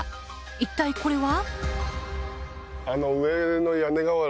一体これは？